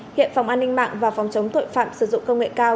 hiện phòng an ninh mạng và phòng chống tội phạm sử dụng công nghệ cao